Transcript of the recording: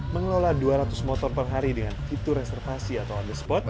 mengelola dua ratus motor per hari dengan fitur reservasi atau on the spot